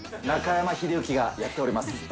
中山秀征がやっております。